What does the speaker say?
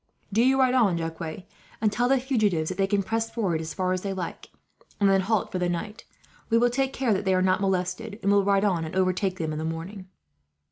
"Do you ride on, Jacques, and tell the fugitives that they can press forward as far as they like, and then halt for the night. We will take care that they are not molested, and will ride on and overtake them, in the morning."